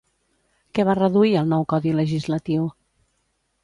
Què va reduir el nou codi legislatiu?